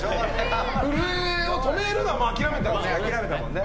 震えを止めるのは諦めたんですよね。